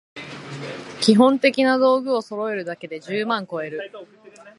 基本的な道具をそろえるだけで十万こえる